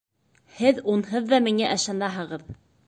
Һеҙ унһыҙ ҙа миңә ышанаһығыҙ.